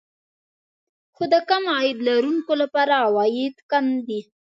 خو د کم عاید لرونکو لپاره عواید کم دي